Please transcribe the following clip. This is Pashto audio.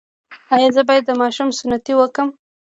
ایا زه باید د ماشوم سنتي وکړم؟